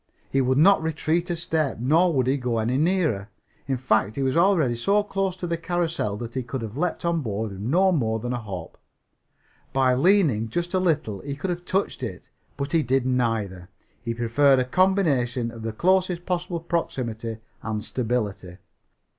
He would not retreat a step, nor would he go any nearer. In fact, he was already so close to the carrousel that he could have leaped on board with no more than a hop. By leaning just a little he could have touched it. But he did neither. He preferred a combination of the closest possible proximity and stability.